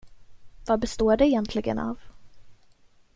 Vad består det egentligen av?